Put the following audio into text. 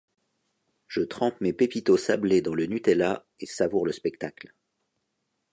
Je trempe mes Pépitos sablés dans le Nutella et savoure le spectacle.